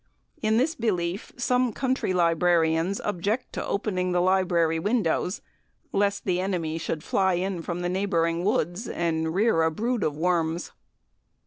In this belief, some country librarians object to opening the library windows lest the enemy should fly in from the neighbouring woods, and rear a brood of worms.